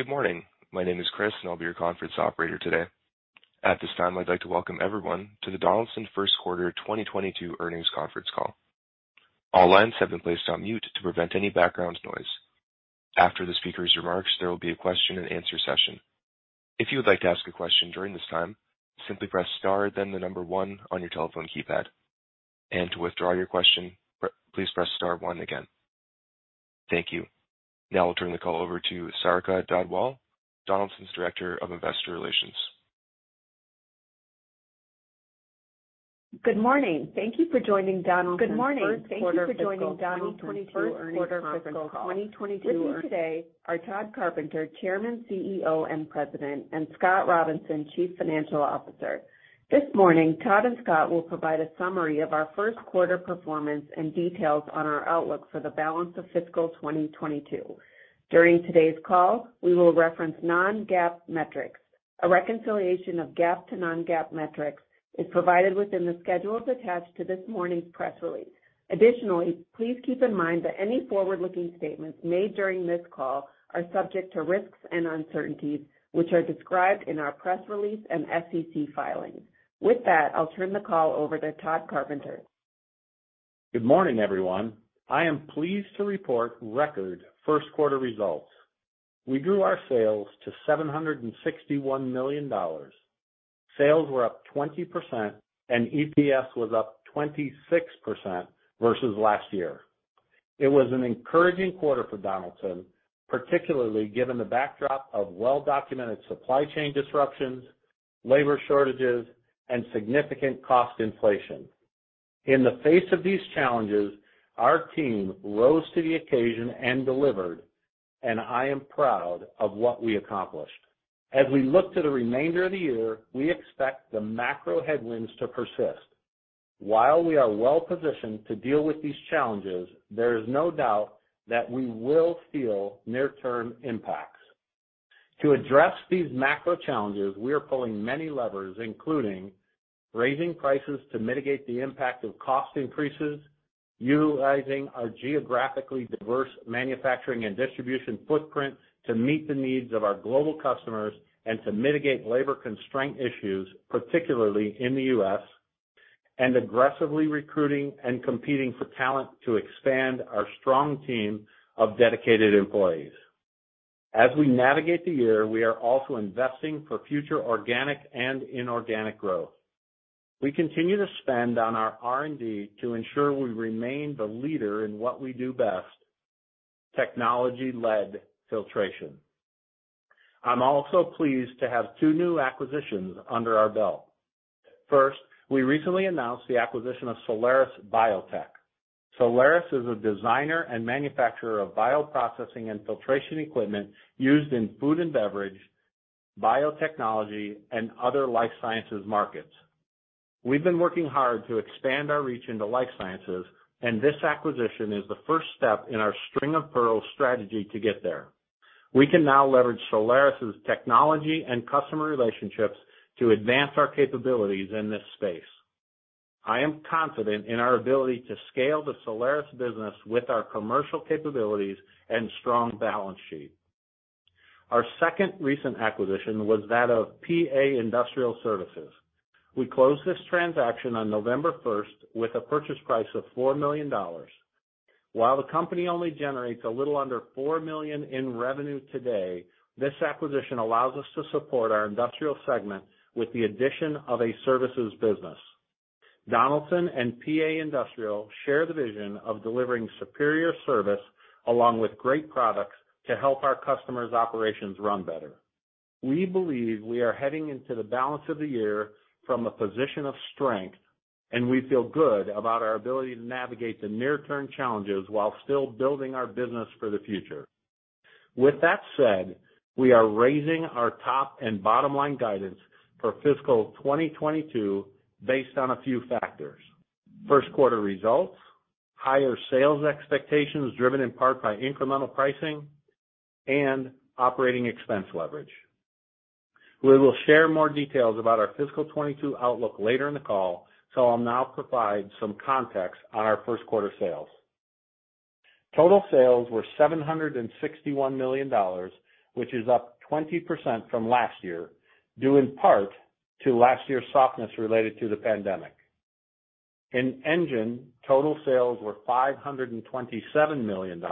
Good morning. My name is Chris, and I'll be your conference operator today. At this time, I'd like to welcome everyone to the Donaldson First Quarter 2022 Earnings Conference Call. All lines have been placed on mute to prevent any background noise. After the speaker's remarks, there will be a question-and-answer session. If you would like to ask a question during this time, simply press star then the number one on your telephone keypad. To withdraw your question, please press star one again. Thank you. Now I'll turn the call over to Sarika Dhadwal, Donaldson's Director of Investor Relations. Good morning. Thank you for joining Donaldson's First Quarter Fiscal 2022 Earnings Conference Call. With me today are Tod Carpenter, Chairman, CEO, and President, and Scott Robinson, Chief Financial Officer. This morning, Tod and Scott will provide a summary of our first quarter performance and details on our outlook for the balance of fiscal 2022. During today's call, we will reference non-GAAP metrics. A reconciliation of GAAP to non-GAAP metrics is provided within the schedules attached to this morning's press release. Additionally, please keep in mind that any forward-looking statements made during this call are subject to risks and uncertainties which are described in our press release and SEC filings. With that, I'll turn the call over to Tod Carpenter. Good morning, everyone. I am pleased to report record first quarter results. We grew our sales to $761 million. Sales were up 20%, and EPS was up 26% versus last year. It was an encouraging quarter for Donaldson, particularly given the backdrop of well-documented supply chain disruptions, labor shortages, and significant cost inflation. In the face of these challenges, our team rose to the occasion and delivered, and I am proud of what we accomplished. As we look to the remainder of the year, we expect the macro headwinds to persist. While we are well-positioned to deal with these challenges, there is no doubt that we will feel near-term impacts. To address these macro challenges, we are pulling many levers, including raising prices to mitigate the impact of cost increases, utilizing our geographically diverse manufacturing and distribution footprint to meet the needs of our global customers and to mitigate labor constraint issues, particularly in the U.S., and aggressively recruiting and competing for talent to expand our strong team of dedicated employees. As we navigate the year, we are also investing for future organic and inorganic growth. We continue to spend on our R&D to ensure we remain the leader in what we do best, technology-led filtration. I'm also pleased to have two new acquisitions under our belt. First, we recently announced the acquisition of Solaris Biotech. Solaris is a designer and manufacturer of bioprocessing and filtration equipment used in food and beverage, biotechnology, and other life sciences markets. We've been working hard to expand our reach into life sciences, and this acquisition is the first step in our string of pearls strategy to get there. We can now leverage Solaris' technology and customer relationships to advance our capabilities in this space. I am confident in our ability to scale the Solaris business with our commercial capabilities and strong balance sheet. Our second recent acquisition was that of P-A Industrial Services. We closed this transaction on November 1st with a purchase price of $4 million. While the company only generates a little under $4 million in revenue today, this acquisition allows us to support our Industrial segment with the addition of a services business. Donaldson and P-A Industrial share the vision of delivering superior service along with great products to help our customers' operations run better. We believe we are heading into the balance of the year from a position of strength, and we feel good about our ability to navigate the near-term challenges while still building our business for the future. With that said, we are raising our top and bottom line guidance for fiscal 2022 based on a few factors, first quarter results, higher sales expectations driven in part by incremental pricing, and operating expense leverage. We will share more details about our fiscal 2022 outlook later in the call, so I'll now provide some context on our first quarter sales. Total sales were $761 million, which is up 20% from last year, due in part to last year's softness related to the pandemic. In Engine, total sales were $527 million,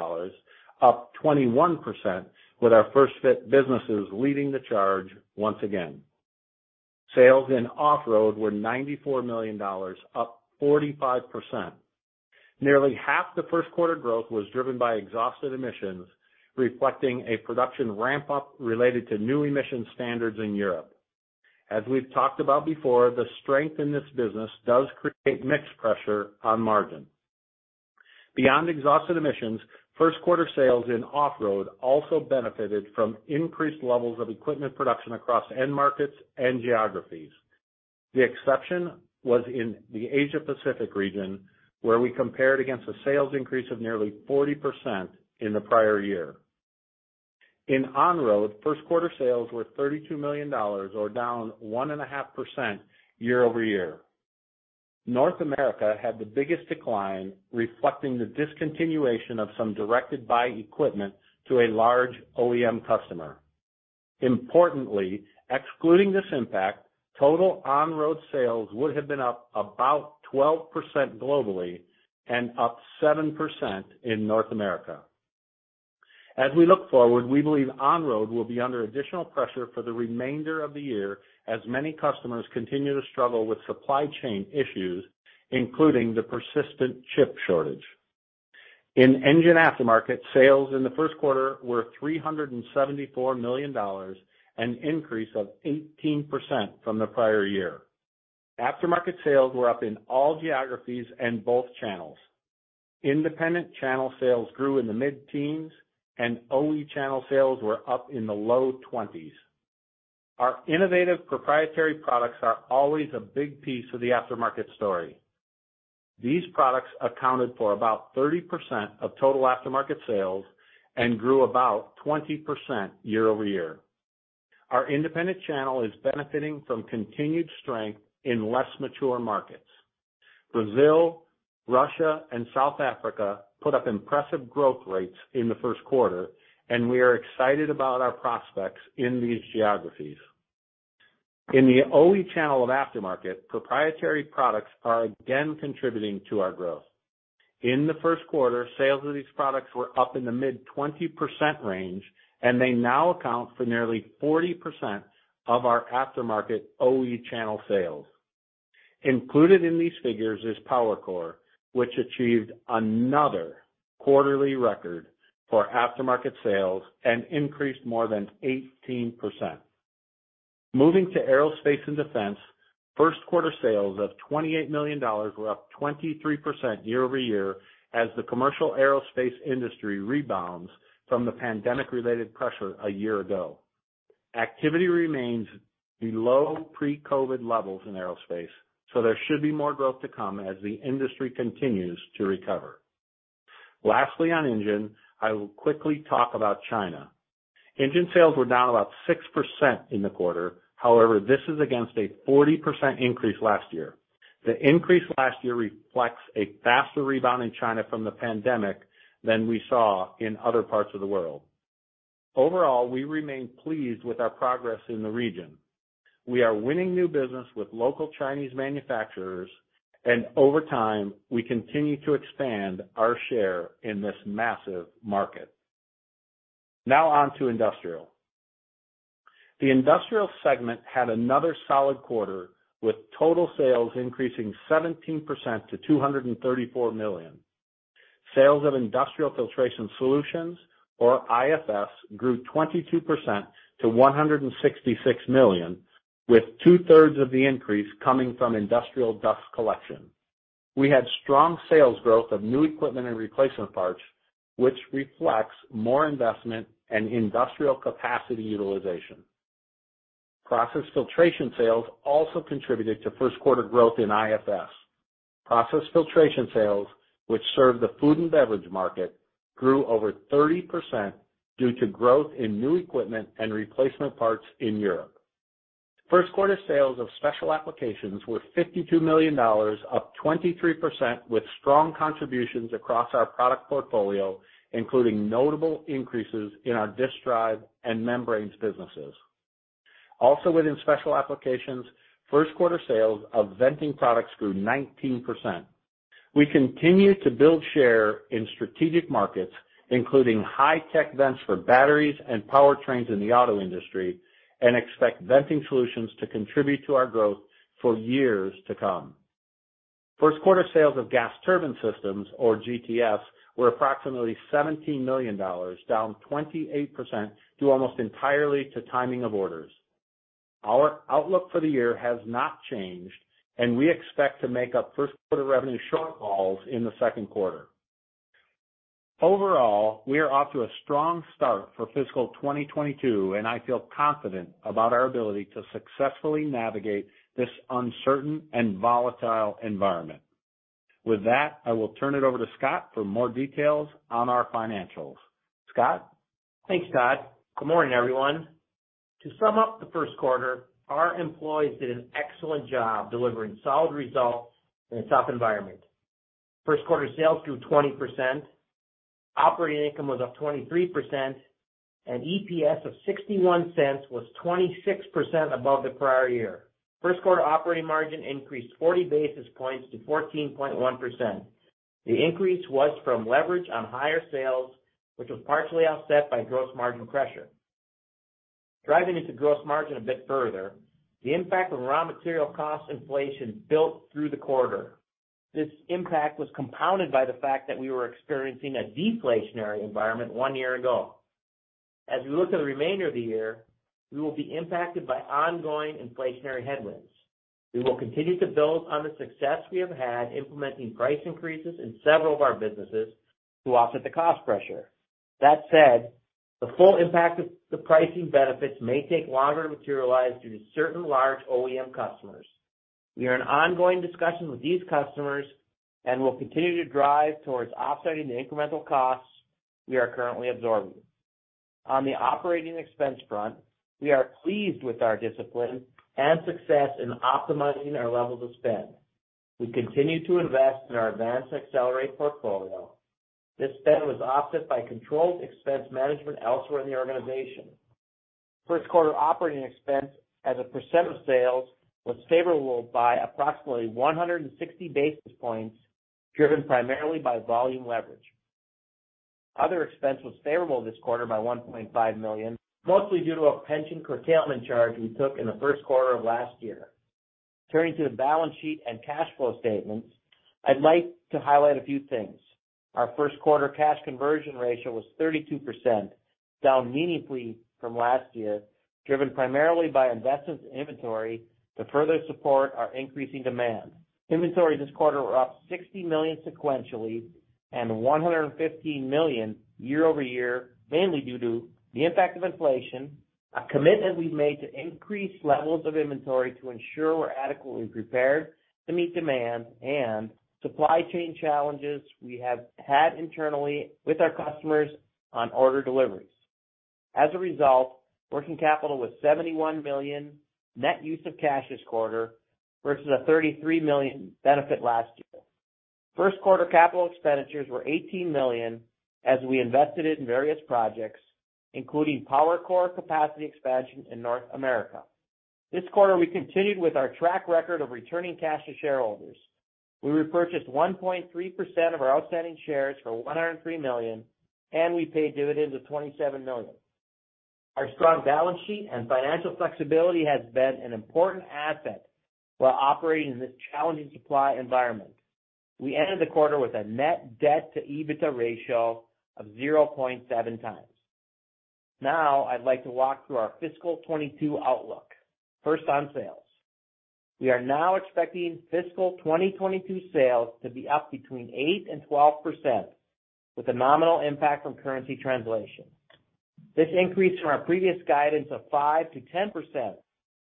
up 21%, with our first-fit businesses leading the charge once again. Sales in off-road were $94 million, up 45%. Nearly half the first quarter growth was driven by exhaust and emissions, reflecting a production ramp-up related to new emission standards in Europe. As we've talked about before, the strength in this business does create mix pressure on margin. Beyond exhaust and emissions, first quarter sales in off-road also benefited from increased levels of equipment production across end markets and geographies. The exception was in the Asia Pacific region, where we compared against a sales increase of nearly 40% in the prior year. In on-road, first quarter sales were $32 million or down 1.5% year-over-year. North America had the biggest decline, reflecting the discontinuation of some directed buy equipment to a large OEM customer. Importantly, excluding this impact, total on-road sales would have been up about 12% globally and up 7% in North America. As we look forward, we believe on-road will be under additional pressure for the remainder of the year as many customers continue to struggle with supply chain issues, including the persistent chip shortage. In Engine aftermarket, sales in the first quarter were $374 million, an increase of 18% from the prior year. Aftermarket sales were up in all geographies and both channels. Independent channel sales grew in the mid-teens, and OE channel sales were up in the low 20s. Our innovative proprietary products are always a big piece of the aftermarket story. These products accounted for about 30% of total aftermarket sales and grew about 20% year-over-year. Our independent channel is benefiting from continued strength in less mature markets. Brazil, Russia, and South Africa put up impressive growth rates in the first quarter, and we are excited about our prospects in these geographies. In the OE channel of aftermarket, proprietary products are again contributing to our growth. In the first quarter, sales of these products were up in the mid-20% range, and they now account for nearly 40% of our aftermarket OE channel sales. Included in these figures is PowerCore, which achieved another quarterly record for aftermarket sales and increased more than 18%. Moving to aerospace and defense, first quarter sales of $28 million were up 23% year-over-year as the commercial aerospace industry rebounds from the pandemic-related pressure a year ago. Activity remains below pre-COVID levels in aerospace, so there should be more growth to come as the industry continues to recover. Lastly, on Engine, I will quickly talk about China. Engine sales were down about 6% in the quarter. However, this is against a 40% increase last year. The increase last year reflects a faster rebound in China from the pandemic than we saw in other parts of the world. Overall, we remain pleased with our progress in the region. We are winning new business with local Chinese manufacturers, and over time, we continue to expand our share in this massive market. Now on to Industrial. The Industrial segment had another solid quarter, with total sales increasing 17% to $234 million. Sales of Industrial Filtration Solutions, or IFS, grew 22% to $166 million, with 2/3 of the increase coming from industrial dust collection. We had strong sales growth of new equipment and replacement parts, which reflects more investment and industrial capacity utilization. Process filtration sales also contributed to first quarter growth in IFS. Process filtration sales, which serve the food and beverage market, grew over 30% due to growth in new equipment and replacement parts in Europe. First quarter sales of special applications were $52 million, up 23% with strong contributions across our product portfolio, including notable increases in our Disk Drive and membranes businesses. Also within special applications, first quarter sales of venting products grew 19%. We continue to build share in strategic markets, including high-tech vents for batteries and powertrains in the auto industry, and expect venting solutions to contribute to our growth for years to come. First quarter sales of gas turbine systems, or GTS, were approximately $17 million, down 28% due almost entirely to timing of orders. Our outlook for the year has not changed, and we expect to make up first quarter revenue shortfalls in the second quarter. Overall, we are off to a strong start for fiscal 2022, and I feel confident about our ability to successfully navigate this uncertain and volatile environment. With that, I will turn it over to Scott for more details on our financials. Scott? Thanks, Tod. Good morning, everyone. To sum up the first quarter, our employees did an excellent job delivering solid results in a tough environment. First quarter sales grew 20%. Operating income was up 23%. An EPS of $0.61 was 26% above the prior year. First quarter operating margin increased 40 basis points to 14.1%. The increase was from leverage on higher sales, which was partially offset by gross margin pressure. Diving into gross margin a bit further, the impact of raw material cost inflation built through the quarter. This impact was compounded by the fact that we were experiencing a deflationary environment one year ago. As we look to the remainder of the year, we will be impacted by ongoing inflationary headwinds. We will continue to build on the success we have had implementing price increases in several of our businesses to offset the cost pressure. That said, the full impact of the pricing benefits may take longer to materialize due to certain large OEM customers. We are in ongoing discussion with these customers and will continue to drive towards offsetting the incremental costs we are currently absorbing. On the operating expense front, we are pleased with our discipline and success in optimizing our levels of spend. We continue to invest in our Advance and Accelerate portfolio. This spend was offset by controlled expense management elsewhere in the organization. First quarter operating expense as a percent of sales was favorable by approximately 160 basis points, driven primarily by volume leverage. Other expense was favorable this quarter by $1.5 million, mostly due to a pension curtailment charge we took in the first quarter of last year. Turning to the balance sheet and cash flow statements, I'd like to highlight a few things. Our first quarter cash conversion ratio was 32%, down meaningfully from last year, driven primarily by investments in inventory to further support our increasing demand. Inventory this quarter were up $60 million sequentially and $115 million year-over-year, mainly due to the impact of inflation, a commitment we've made to increase levels of inventory to ensure we're adequately prepared to meet demand, and supply chain challenges we have had internally with our customers on order deliveries. As a result, working capital was $71 million, net use of cash this quarter versus a $33 million benefit last year. First quarter capital expenditures were $18 million as we invested in various projects, including PowerCore capacity expansion in North America. This quarter, we continued with our track record of returning cash to shareholders. We repurchased 1.3% of our outstanding shares for $103 million, and we paid dividends of $27 million. Our strong balance sheet and financial flexibility has been an important asset while operating in this challenging supply environment. We ended the quarter with a net debt to EBITDA ratio of 0.7x. Now I'd like to walk through our fiscal 2022 outlook. First on sales. We are now expecting fiscal 2022 sales to be up between 8% and 12%, with a nominal impact from currency translation. This increase from our previous guidance of 5%-10%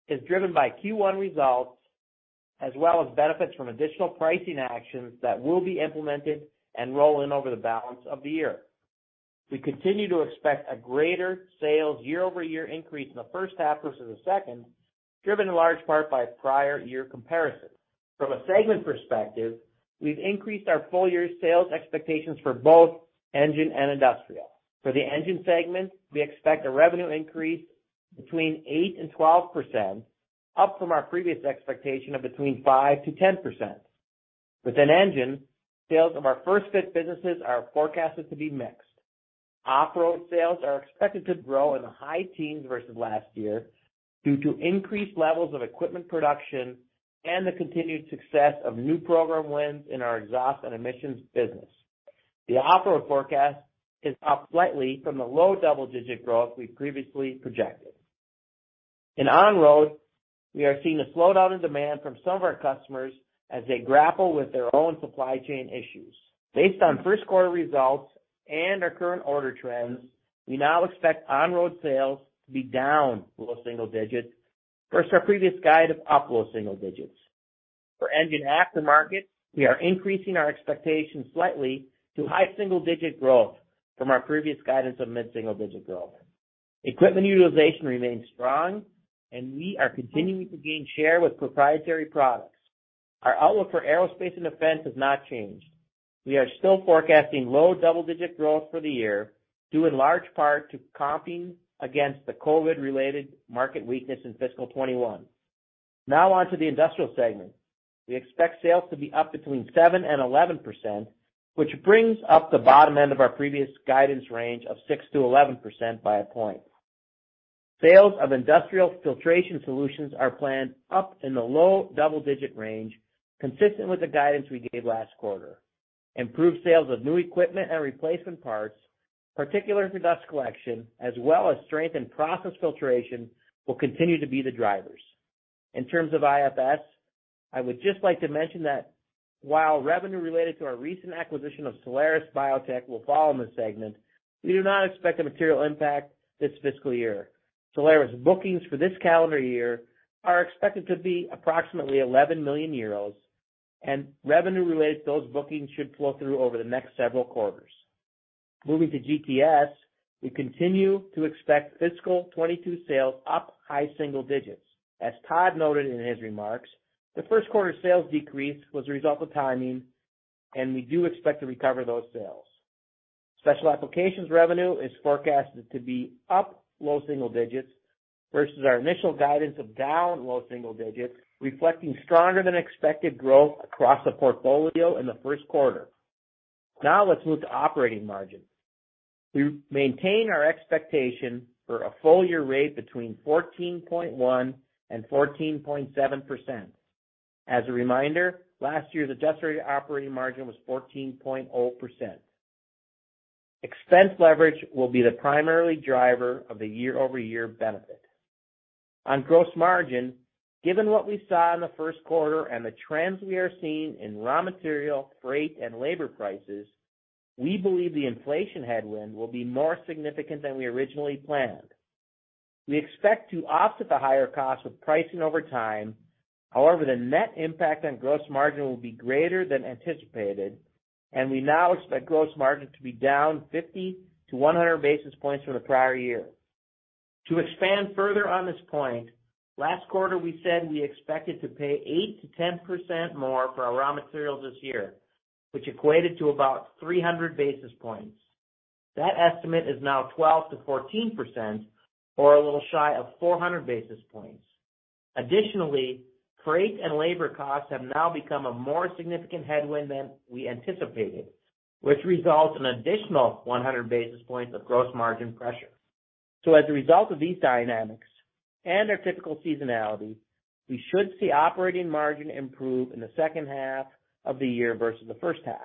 is driven by Q1 results, as well as benefits from additional pricing actions that will be implemented and roll in over the balance of the year. We continue to expect a greater sales year-over-year increase in the first half versus the second, driven in large part by prior year comparisons. From a segment perspective, we've increased our full year sales expectations for both Engine and Industrial. For the Engine segment, we expect a revenue increase between 8% and 12%, up from our previous expectation of between 5%-10%. Within Engine, sales of our first-fit businesses are forecasted to be mixed. Off-road sales are expected to grow in the high teens versus last year due to increased levels of equipment production and the continued success of new program wins in our exhaust and emissions business. The off-road forecast is up slightly from the low double-digit growth we previously projected. In on-road, we are seeing a slowdown in demand from some of our customers as they grapple with their own supply chain issues. Based on first quarter results and our current order trends, we now expect on-road sales to be down low-single-digits versus our previous guide of up low-single-digits. For engine aftermarket, we are increasing our expectations slightly to high-single-digit growth from our previous guidance of mid-single-digit growth. Equipment utilization remains strong and we are continuing to gain share with proprietary products. Our outlook for aerospace and defense has not changed. We are still forecasting low-double-digit growth for the year, due in large part to comping against the COVID-related market weakness in fiscal 2021. Now on to the Industrial segment. We expect sales to be up between 7% and 11%, which brings up the bottom end of our previous guidance range of 6%-11% by a point. Sales of Industrial Filtration Solutions are planned up in the low-double-digit range, consistent with the guidance we gave last quarter. Improved sales of new equipment and replacement parts, particularly for dust collection, as well as strength in process filtration, will continue to be the drivers. In terms of IFS, I would just like to mention that while revenue related to our recent acquisition of Solaris Biotech will fall in this segment, we do not expect a material impact this fiscal year. Solaris bookings for this calendar year are expected to be approximately 11 million euros, and revenue related to those bookings should flow through over the next several quarters. Moving to GTS. We continue to expect fiscal 2022 sales up high-single-digits. As Tod noted in his remarks, the first quarter sales decrease was a result of timing, and we do expect to recover those sales. Special applications revenue is forecasted to be up low-single-digits versus our initial guidance of down low-single-digits, reflecting stronger than expected growth across the portfolio in the first quarter. Now let's move to operating margin. We maintain our expectation for a full year rate between 14.1% and 14.7%. As a reminder, last year the adjusted operating margin was 14.0%. Expense leverage will be the primary driver of the year-over-year benefit. On gross margin, given what we saw in the first quarter and the trends we are seeing in raw material, freight, and labor prices, we believe the inflation headwind will be more significant than we originally planned. We expect to offset the higher cost with pricing over time. However, the net impact on gross margin will be greater than anticipated, and we now expect gross margin to be down 50-100 basis points from the prior year. To expand further on this point, last quarter, we said we expected to pay 8%-10% more for our raw materials this year, which equated to about 300 basis points. That estimate is now 12%-14%, or a little shy of 400 basis points. Additionally, freight and labor costs have now become a more significant headwind than we anticipated, which results in additional 100 basis points of gross margin pressure. As a result of these dynamics and our typical seasonality, we should see operating margin improve in the second half of the year versus the first half.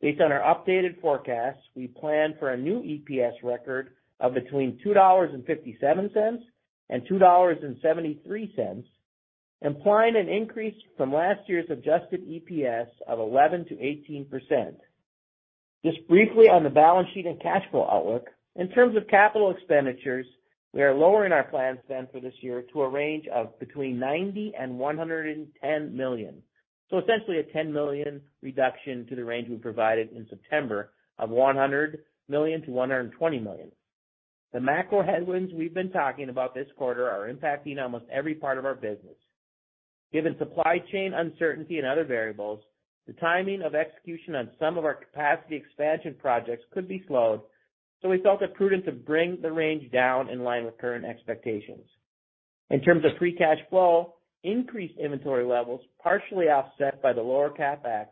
Based on our updated forecast, we plan for a new EPS record of between $2.57 and $2.73, implying an increase from last year's adjusted EPS of 11%-18%. Just briefly on the balance sheet and cash flow outlook. In terms of capital expenditures, we are lowering our planned spend for this year to a range of between $90 million and $110 million. Essentially a $10 million reduction to the range we provided in September of $100 million-$120 million. The macro headwinds we've been talking about this quarter are impacting almost every part of our business. Given supply chain uncertainty and other variables, the timing of execution on some of our capacity expansion projects could be slowed, so we felt it prudent to bring the range down in line with current expectations. In terms of free cash flow, increased inventory levels, partially offset by the lower CapEx,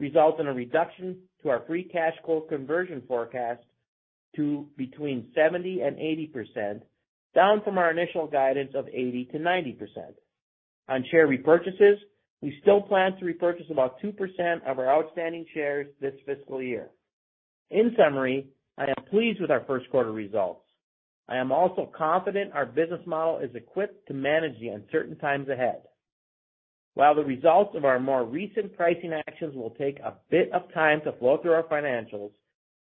results in a reduction to our free cash flow conversion forecast to between 70% and 80%, down from our initial guidance of 80%-90%. On share repurchases, we still plan to repurchase about 2% of our outstanding shares this fiscal year. In summary, I am pleased with our first quarter results. I am also confident our business model is equipped to manage the uncertain times ahead. While the results of our more recent pricing actions will take a bit of time to flow through our financials,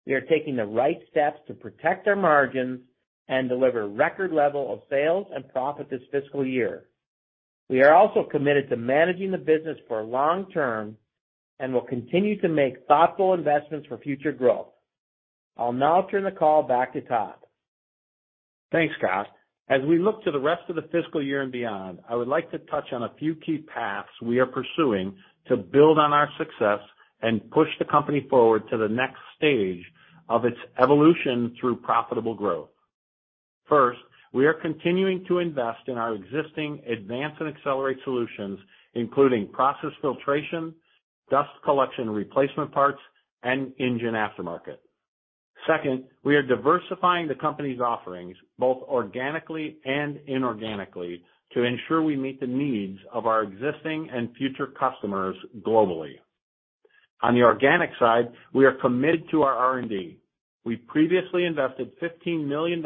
we are taking the right steps to protect our margins and deliver record level of sales and profit this fiscal year. We are also committed to managing the business for long term and will continue to make thoughtful investments for future growth. I'll now turn the call back to Tod. Thanks, Scott. As we look to the rest of the fiscal year and beyond, I would like to touch on a few key paths we are pursuing to build on our success and push the company forward to the next stage of its evolution through profitable growth. First, we are continuing to invest in our existing Advance and Accelerate solutions, including process filtration, dust collection replacement parts, and engine aftermarket. Second, we are diversifying the company's offerings both organically and inorganically to ensure we meet the needs of our existing and future customers globally. On the organic side, we are committed to our R&D. We previously invested $15 million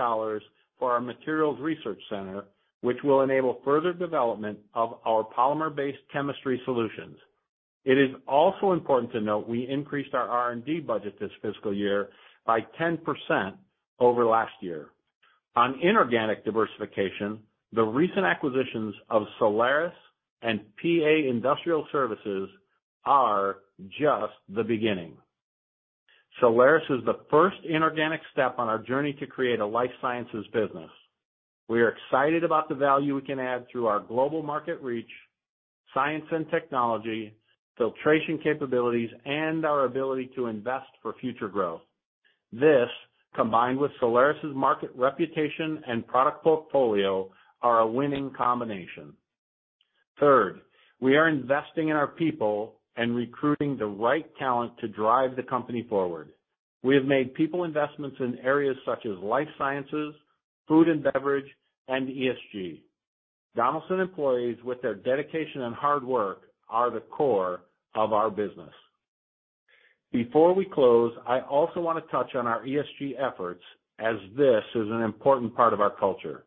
for our materials research center, which will enable further development of our polymer-based chemistry solutions. It is also important to note we increased our R&D budget this fiscal year by 10% over last year. On inorganic diversification, the recent acquisitions of Solaris and P-A Industrial Services are just the beginning. Solaris is the first inorganic step on our journey to create a life sciences business. We are excited about the value we can add through our global market reach, science and technology, filtration capabilities, and our ability to invest for future growth. This, combined with Solaris' market reputation and product portfolio, are a winning combination. Third, we are investing in our people and recruiting the right talent to drive the company forward. We have made people investments in areas such as life sciences, food and beverage, and ESG. Donaldson employees with their dedication and hard work are the core of our business. Before we close, I also wanna touch on our ESG efforts as this is an important part of our culture.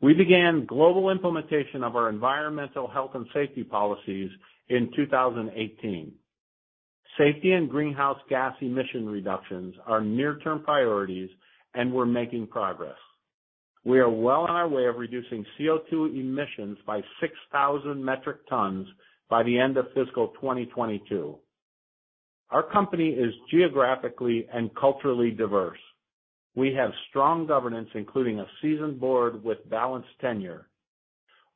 We began global implementation of our environmental health and safety policies in 2018. Safety and greenhouse gas emission reductions are near-term priorities, and we're making progress. We are well on our way of reducing CO2 emissions by 6,000 metric tons by the end of fiscal 2022. Our company is geographically and culturally diverse. We have strong governance, including a seasoned board with balanced tenure.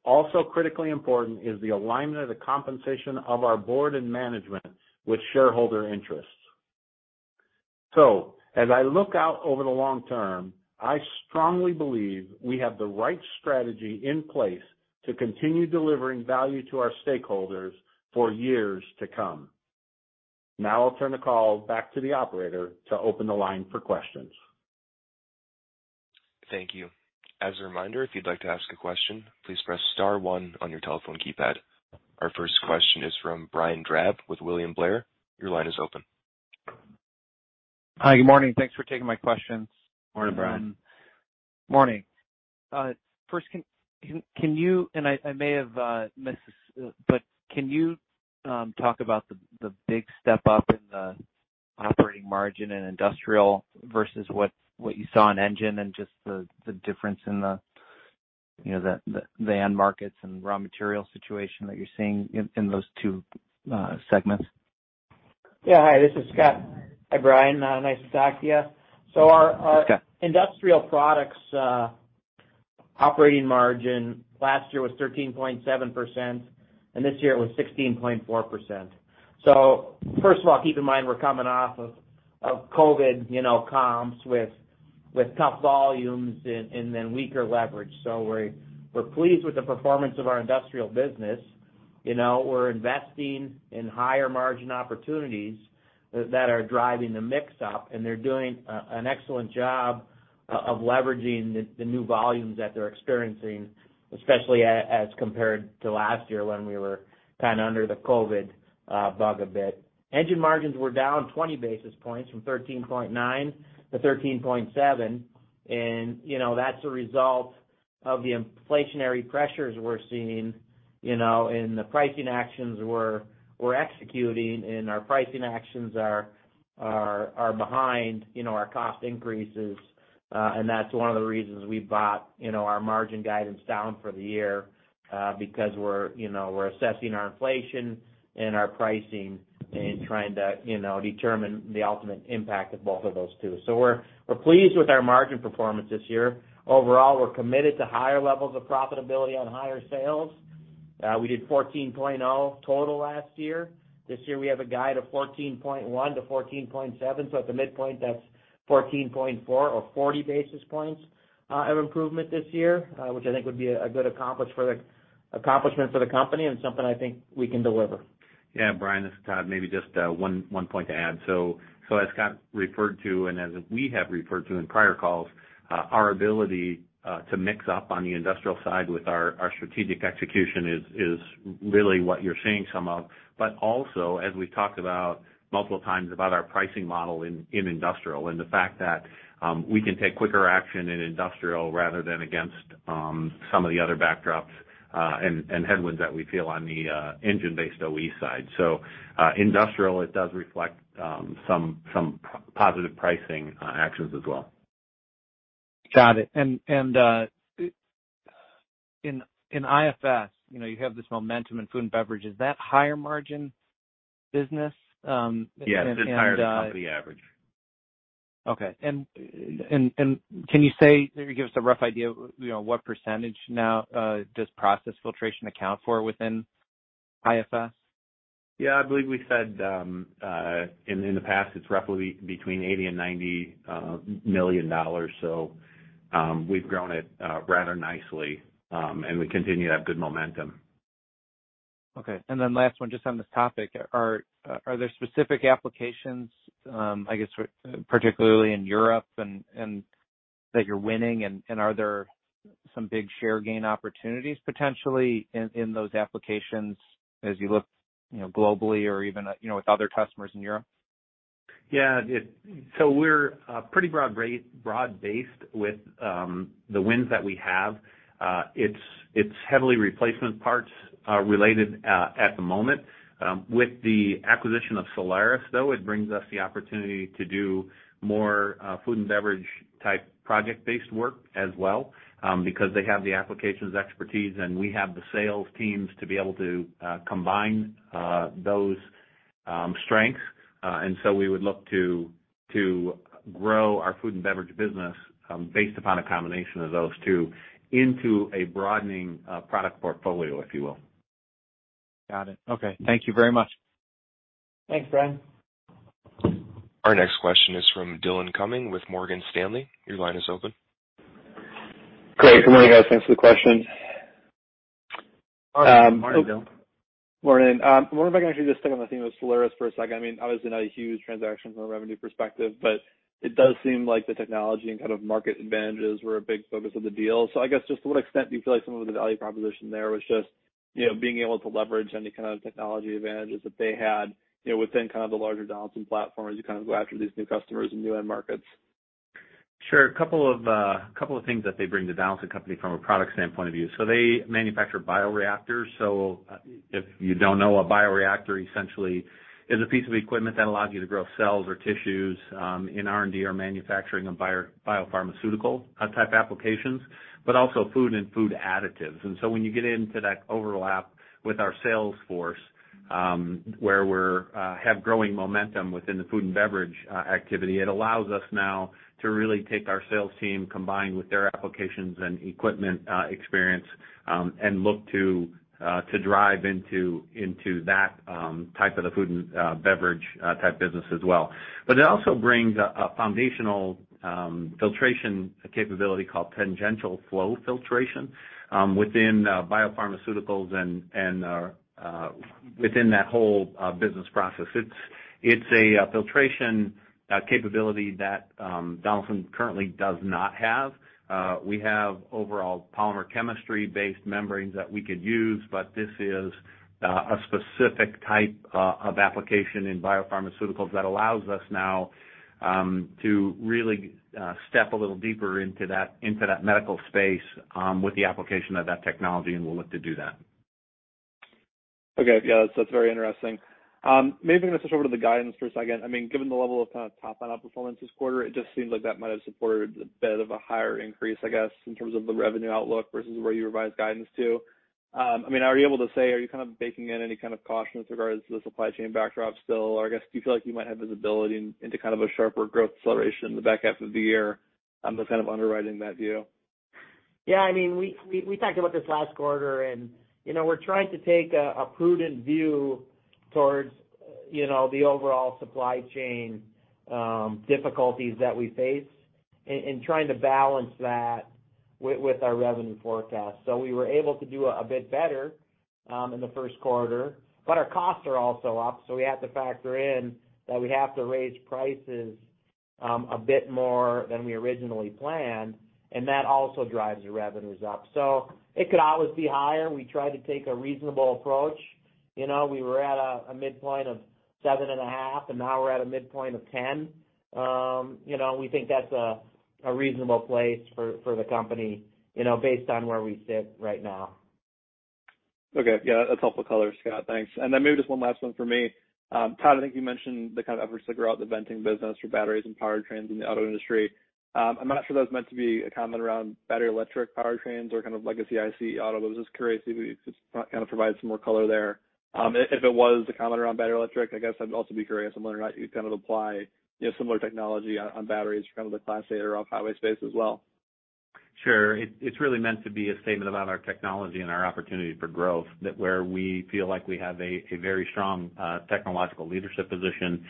Also critically important is the alignment of the compensation of our board and management with shareholder interests. As I look out over the long term, I strongly believe we have the right strategy in place to continue delivering value to our stakeholders for years to come. Now I'll turn the call back to the operator to open the line for questions. Thank you. As a reminder, if you'd like to ask a question, please press star one on your telephone keypad. Our first question is from Brian Drab with William Blair. Your line is open. Hi. Good morning. Thanks for taking my questions. Morning, Brian. Morning. First, I may have missed this, but can you talk about the big step up in the- Operating margin and industrial versus what you saw in engine and just the difference in the, you know, the end markets and raw material situation that you're seeing in those two segments. Yeah. Hi, this is Scott. Hi, Brian. Nice to talk to you. Our- Okay. Our industrial products operating margin last year was 13.7%, and this year it was 16.4%. First of all, keep in mind we're coming off of COVID, you know, comps with tough volumes and then weaker leverage. We're pleased with the performance of our Industrial business. You know, we're investing in higher margin opportunities that are driving the mix up, and they're doing an excellent job of leveraging the new volumes that they're experiencing, especially as compared to last year when we were kind of under the COVID bug a bit. Engine margins were down 20 basis points from 13.9% to 13.7%. You know, that's a result of the inflationary pressures we're seeing, you know, in the pricing actions we're executing, and our pricing actions are behind, you know, our cost increases. That's one of the reasons we brought, you know, our margin guidance down for the year, because we're, you know, we're assessing our inflation and our pricing and trying to, you know, determine the ultimate impact of both of those two. We're pleased with our margin performance this year. Overall, we're committed to higher levels of profitability on higher sales. We did 14.0% total last year. This year we have a guide of 14.1%-14.7%. At the midpoint, that's 14.4% or 40 basis points of improvement this year, which I think would be a good accomplishment for the company and something I think we can deliver. Yeah, Brian, this is Tod. Maybe just one point to add. As Scott referred to, and as we have referred to in prior calls, our ability to mix up on the Industrial side with our strategic execution is really what you're seeing some of. Also, as we've talked about multiple times about our pricing model in industrial and the fact that we can take quicker action in industrial rather than against some of the other backdrops and headwinds that we feel on the engine-based OE side. Industrial, it does reflect some positive pricing actions as well. Got it. In IFS, you know, you have this momentum in food and beverage. Is that higher margin business? Yes, it's higher than company average. Okay. Can you say or give us a rough idea of, you know, what percentage now does process filtration account for within IFS? Yeah. I believe we said in the past it's roughly between $80 million and $90 million. We've grown it rather nicely, and we continue to have good momentum. Okay. Last one just on this topic. Are there specific applications, I guess, particularly in Europe and that you're winning? Are there some big share gain opportunities potentially in those applications as you look, you know, globally or even, you know, with other customers in Europe? Yeah. We're pretty broad-based with the wins that we have. It's heavily replacement parts related at the moment. With the acquisition of Solaris, though, it brings us the opportunity to do more food and beverage type project-based work as well, because they have the applications expertise and we have the sales teams to be able to combine those strengths. We would look to grow our food and beverage business based upon a combination of those two into a broadening product portfolio, if you will. Got it. Okay. Thank you very much. Thanks, Brian. Our next question is from Dillon Cumming with Morgan Stanley. Your line is open. Great. Good morning, guys. Thanks for the question. Morning. Morning, Dillon. Morning. I wonder if I can actually just stick on the theme of Solaris for a second. I mean, obviously not a huge transaction from a revenue perspective, but it does seem like the technology and kind of market advantages were a big focus of the deal. I guess just to what extent do you feel like some of the value proposition there was just, you know, being able to leverage any kind of technology advantages that they had, you know, within kind of the larger Donaldson platform as you kind of go after these new customers and new end markets? Sure. A couple of things that they bring to Donaldson Company from a product standpoint of view. They manufacture bioreactors. If you don't know, a bioreactor essentially is a piece of equipment that allows you to grow cells or tissues in R&D or manufacturing of biopharmaceutical type applications, but also food and food additives. When you get into that overlap with our sales force, where we have growing momentum within the food and beverage activity, it allows us now to really take our sales team combined with their applications and equipment experience and look to drive into that type of the food and beverage type business as well. It also brings a foundational filtration capability called tangential flow filtration within biopharmaceuticals and within that whole business process. It's a filtration capability that Donaldson currently does not have. We have overall polymer chemistry-based membranes that we could use, but this is a specific type of application in biopharmaceuticals that allows us now to really step a little deeper into that medical space with the application of that technology, and we'll look to do that. Okay. Yeah, that's very interesting. Maybe I'm gonna switch over to the guidance for a second. I mean, given the level of kind of top line outperformance this quarter, it just seems like that might have supported a bit of a higher increase, I guess, in terms of the revenue outlook versus where you revised guidance to. I mean, are you able to say, are you kind of baking in any kind of caution with regards to the supply chain backdrop still? Or I guess, do you feel like you might have visibility into kind of a sharper growth acceleration in the back half of the year on the kind of underwriting that view? Yeah, I mean, we talked about this last quarter and, you know, we're trying to take a prudent view towards, you know, the overall supply chain difficulties that we face in trying to balance that with our revenue forecast. We were able to do a bit better in the first quarter, but our costs are also up, so we have to factor in that we have to raise prices a bit more than we originally planned, and that also drives the revenues up. It could always be higher. We try to take a reasonable approach. You know, we were at a midpoint of 7.5, and now we're at a midpoint of 10. You know, we think that's a reasonable place for the company, you know, based on where we sit right now. Okay. Yeah, that's helpful color, Scott. Thanks. Maybe just one last one for me. Tod, I think you mentioned the kind of efforts to grow out the venting business for batteries and powertrains in the auto industry. I'm not sure if that was meant to be a comment around battery electric powertrains or kind of legacy ICE auto, but was just curious if you could just kind of provide some more color there. If it was a comment around battery electric, I guess I'd also be curious on whether or not you'd kind of apply, you know, similar technology on batteries for kind of the Class 8 or off-highway space as well. Sure. It's really meant to be a statement about our technology and our opportunity for growth, that where we feel like we have a very strong technological leadership position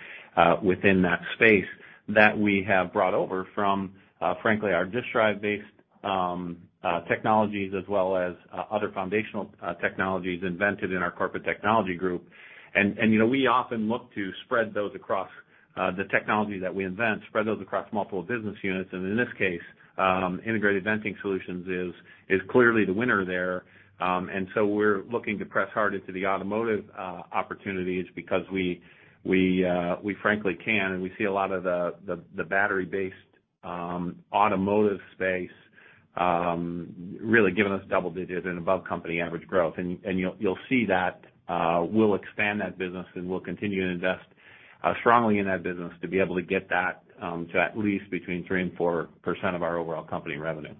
within that space that we have brought over from frankly our Disk Drive-based technologies as well as other foundational technologies invented in our corporate technology group. You know, we often look to spread those across the technology that we invent across multiple business units. In this case, Integrated Venting Solutions is clearly the winner there. So we're looking to press harder to the automotive opportunities because we frankly can, and we see a lot of the battery-based automotive space really giving us double digits and above company average growth. You'll see that we'll expand that business, and we'll continue to invest strongly in that business to be able to get that to at least between 3% and 4% of our overall company revenue.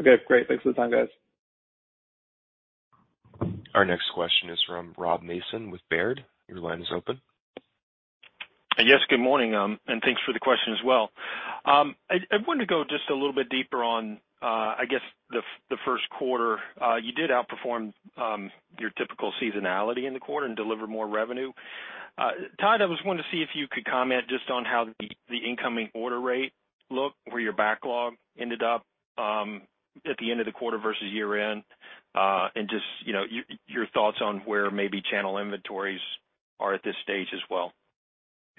Okay, great. Thanks for the time, guys. Our next question is from Rob Mason with Baird. Your line is open. Yes, good morning, and thanks for the question as well. I wanted to go just a little bit deeper on, I guess the first quarter. You did outperform your typical seasonality in the quarter and deliver more revenue. Tod, I just wanted to see if you could comment just on how the incoming order rate looked, where your backlog ended up at the end of the quarter versus year-end. And just, you know, your thoughts on where maybe channel inventories are at this stage as well.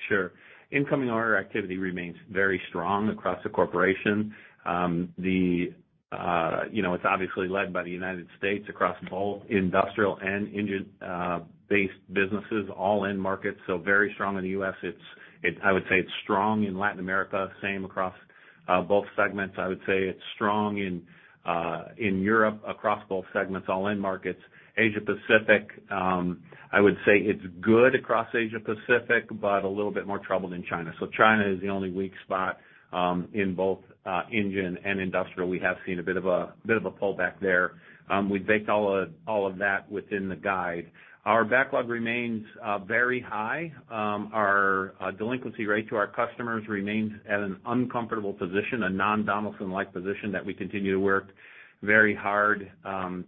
Sure. Incoming order activity remains very strong across the corporation. You know, it's obviously led by the United States across both Industrial and Engine based businesses, all end markets, so very strong in the U.S. I would say it's strong in Latin America, same across both segments. I would say it's strong in Europe across both segments, all end markets. Asia Pacific, I would say it's good across Asia Pacific, but a little bit more troubled in China. China is the only weak spot in both Engine and Industrial. We have seen a bit of a pullback there. We've baked all of that within the guide. Our backlog remains very high. Our delinquency rate to our customers remains at an uncomfortable position, a non-Donaldson-like position that we continue to work very hard to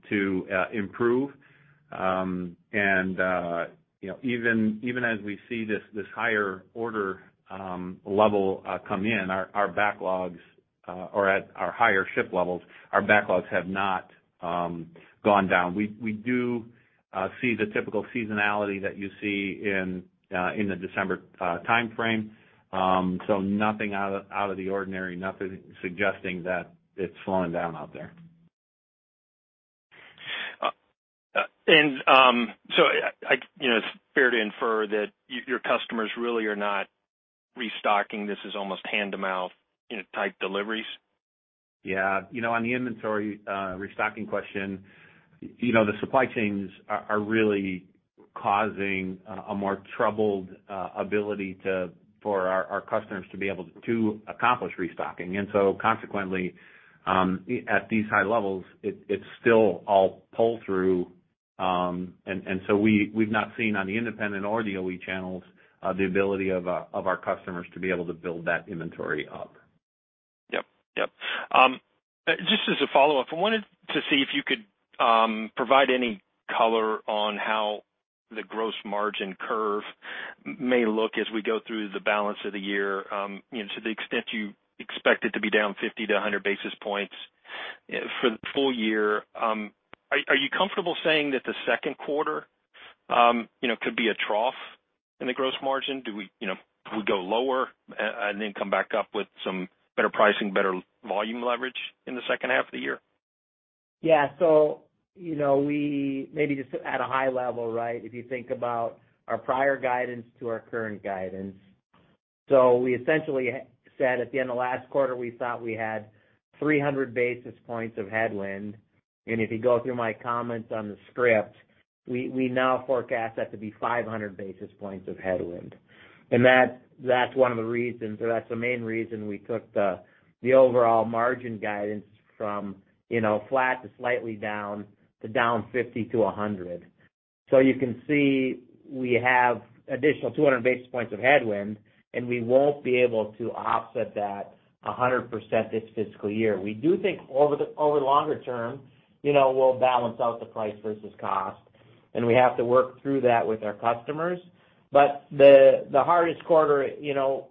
improve. You know, even as we see this higher order level come in, our backlogs are at higher shipment levels and have not gone down. We do see the typical seasonality that you see in the December timeframe. Nothing out of the ordinary, nothing suggesting that it's slowing down out there. You know, it's fair to infer that your customers really are not restocking. This is almost hand-to-mouth, you know, type deliveries. Yeah. You know, on the inventory restocking question, you know, the supply chains are really causing a more troubled ability to, for our customers to be able to accomplish restocking. Consequently, at these high levels, it's still all pull through. We've not seen on the independent or the OE channels the ability of our customers to be able to build that inventory up. Yep. Just as a follow-up, I wanted to see if you could provide any color on how the gross margin curve may look as we go through the balance of the year, you know, to the extent you expect it to be down 50-100 basis points for the full year. Are you comfortable saying that the second quarter, you know, could be a trough in the gross margin? Do we, you know, go lower and then come back up with some better pricing, better volume leverage in the second half of the year? Yeah. You know, we maybe just at a high level, right? If you think about our prior guidance to our current guidance. We essentially said at the end of last quarter, we thought we had 300 basis points of headwind. If you go through my comments on the script, we now forecast that to be 500 basis points of headwind. That's one of the reasons or that's the main reason we took the overall margin guidance from, you know, flat to slightly down to down 50-100. You can see we have additional 200 basis points of headwind, and we won't be able to offset that 100% this fiscal year. We do think over the longer term, you know, we'll balance out the price versus cost, and we have to work through that with our customers. The hardest quarter, you know,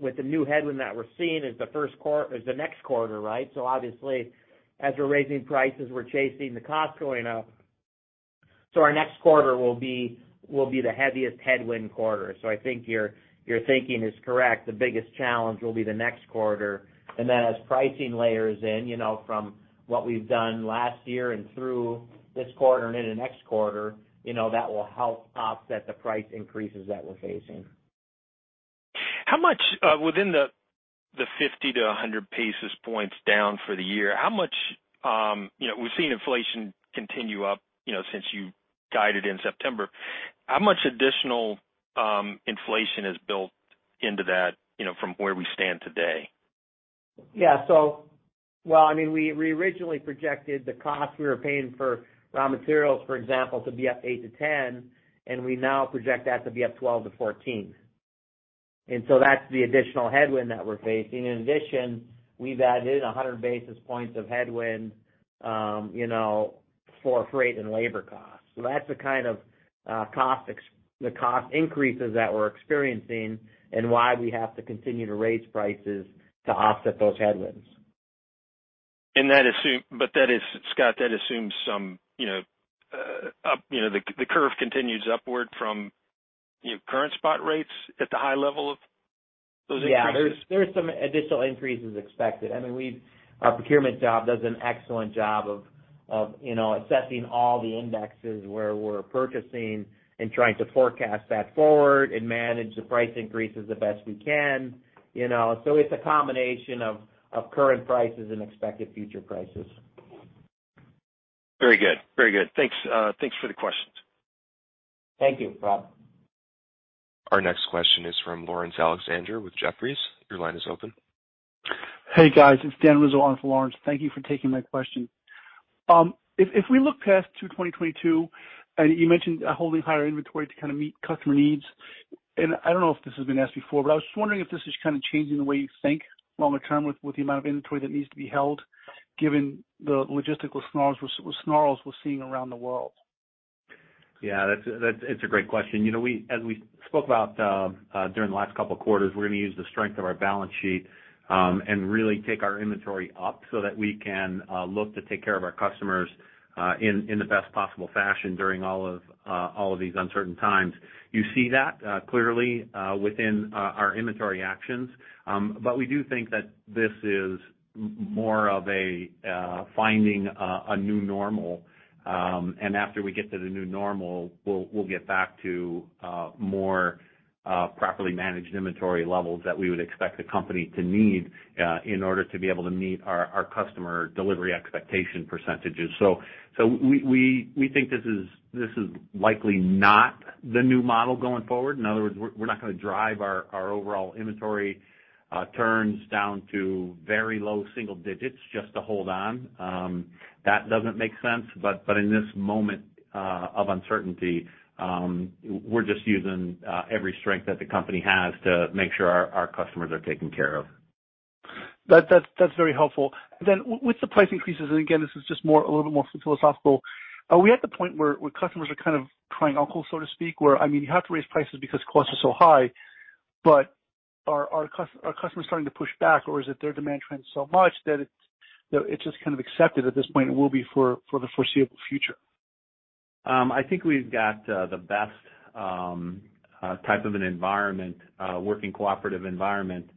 with the new headwind that we're seeing is the next quarter, right? Obviously, as we're raising prices, we're chasing the cost going up. Our next quarter will be the heaviest headwind quarter. I think your thinking is correct. The biggest challenge will be the next quarter. As pricing layers in, you know, from what we've done last year and through this quarter and into next quarter, you know, that will help offset the price increases that we're facing. How much within the 50-100 basis points down for the year, how much you know we've seen inflation continue up you know since you guided in September. How much additional inflation is built into that you know from where we stand today? Well, I mean, we originally projected the cost we were paying for raw materials, for example, to be up 8%-10%, and we now project that to be up 12%-14%. That's the additional headwind that we're facing. In addition, we've added 100 basis points of headwind, you know, for freight and labor costs. That's the kind of cost increases that we're experiencing and why we have to continue to raise prices to offset those headwinds. Scott, that assumes some, you know, up, you know, the curve continues upward from, you know, current spot rates at the high level of those increases? Yeah. There's some additional increases expected. I mean, we've our procurement job does an excellent job of, you know, assessing all the indexes where we're purchasing and trying to forecast that forward and manage the price increases the best we can, you know. It's a combination of current prices and expected future prices. Very good. Thanks for the questions. Thank you, Rob. Our next question is from Laurence Alexander with Jefferies. Your line is open. Hey, guys. It's Dan Rizzo on for Laurence. Thank you for taking my question. If we look past to 2022, you mentioned holding higher inventory to kinda meet customer needs, and I don't know if this has been asked before, but I was just wondering if this is kinda changing the way you think longer term with the amount of inventory that needs to be held given the logistical snarls we're seeing around the world? Yeah. That's a great question. You know, as we spoke about during the last couple of quarters, we're gonna use the strength of our balance sheet and really take our inventory up so that we can look to take care of our customers in the best possible fashion during all of these uncertain times. You see that clearly within our inventory actions. But we do think that this is more of a finding a new normal, and after we get to the new normal, we'll get back to more properly managed inventory levels that we would expect the company to need in order to be able to meet our customer delivery expectation percentages. We think this is likely not the new model going forward. In other words, we're not gonna drive our overall inventory turns down to very low-single-digits just to hold on. That doesn't make sense. In this moment of uncertainty, we're just using every strength that the company has to make sure our customers are taken care of. That's very helpful. With the price increases, and again, this is just a little bit more philosophical, are we at the point where customers are kind of crying uncle, so to speak, where I mean, you have to raise prices because costs are so high, but are customers starting to push back or is it their demand trends so much that it's, you know, it's just kind of accepted at this point it will be for the foreseeable future? I think we've got the best type of an environment, working cooperative environment,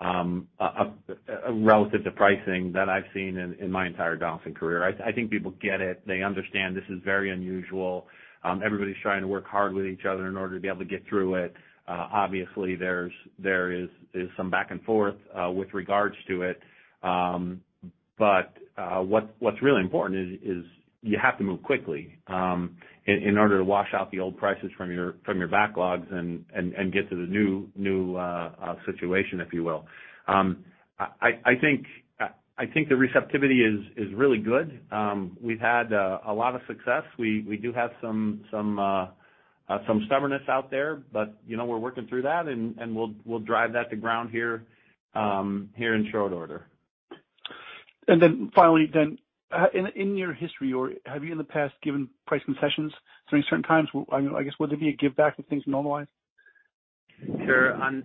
relative to pricing that I've seen in my entire Donaldson career. I think people get it. They understand this is very unusual. Everybody's trying to work hard with each other in order to be able to get through it. Obviously, there is some back and forth with regards to it. What's really important is you have to move quickly in order to wash out the old prices from your backlogs and get to the new situation, if you will. I think the receptivity is really good. We've had a lot of success. We do have some stubbornness out there, but you know, we're working through that and we'll drive that to ground here in short order. Finally, in your history, have you in the past given pricing concessions during certain times? I guess, would there be a giveback if things normalize? Sure. On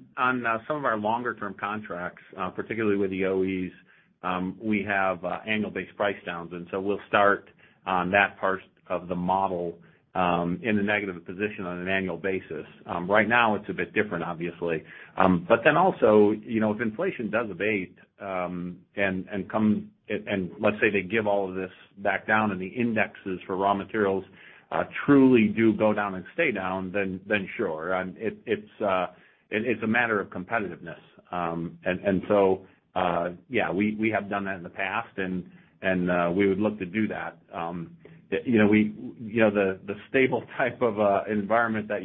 some of our longer term contracts, particularly with the OEs, we have annual based price downs, and so we'll start on that part of the model in a negative position on an annual basis. Right now it's a bit different, obviously. Also, you know, if inflation does abate, let's say they give all of this back down and the indexes for raw materials truly do go down and stay down, then sure. It's a matter of competitiveness. Yeah, we have done that in the past and we would look to do that. You know, the stable type of environment that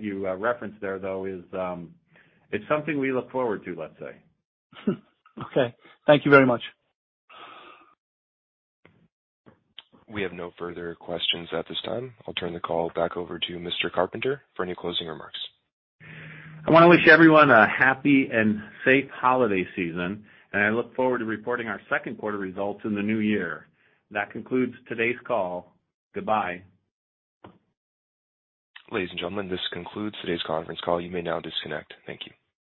you referenced there, though, is something we look forward to, let's say. Okay. Thank you very much. We have no further questions at this time. I'll turn the call back over to Mr. Carpenter for any closing remarks. I wanna wish everyone a happy and safe holiday season, and I look forward to reporting our second quarter results in the new year. That concludes today's call. Goodbye. Ladies and gentlemen, this concludes today's conference call. You may now disconnect. Thank you.